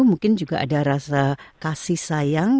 mungkin juga ada rasa kasih sayang